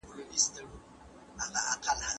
ما د خصوصي سکتور په اړه اورېدلي وو.